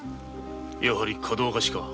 やはりかどわかしか。